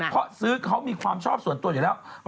เพราะซื้อเขามีความชอบส่วนตัวอยู่แล้ว